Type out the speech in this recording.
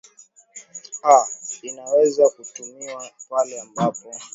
a inaweza kutumiwa pale ambapo